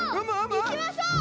いきましょう！